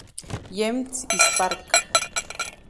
James his park".